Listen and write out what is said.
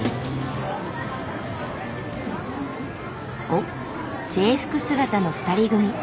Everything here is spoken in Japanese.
おっ制服姿の２人組。